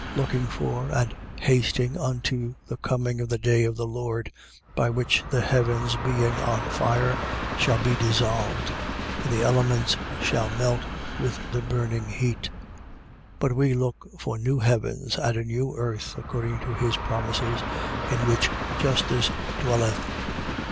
3:12. Looking for and hasting unto the coming of the day of the Lord, by which the heavens being on fire shall be dissolved, and the elements shall melt with the burning heat? 3:13. But we look for new heavens and a new earth according to his promises, in which justice dwelleth.